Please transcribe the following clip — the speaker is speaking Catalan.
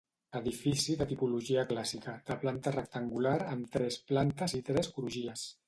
Edifici de tipologia clàssica, de planta rectangular amb tres plantes i tres crugies.